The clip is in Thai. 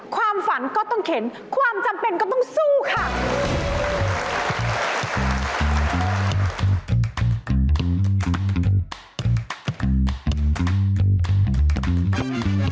ความฝันก็ต้องเข็นความจำเป็นก็ต้องสู้ค่ะ